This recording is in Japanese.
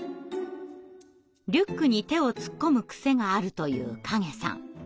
リュックに手を突っ込む癖があるというｋａｇｅｓａｎ。